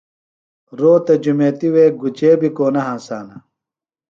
روتہ جُمیتیۡ وے گُچے بیۡ کو نہ ہنسانہ۔